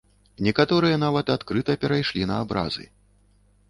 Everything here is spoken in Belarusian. Некаторыя нават адкрыта перайшлі на абразы.